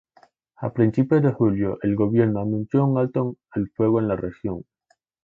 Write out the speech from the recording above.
A principios de julio, el gobierno anunció un alto el fuego en la región.